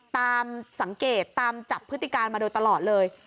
ตามสังเกตตามจับพฤติการมาโดยตลอดเลย